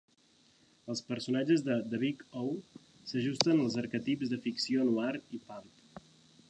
Els personatges de "The Big O" s'ajusten als arquetips de ficció "noir" i pulp.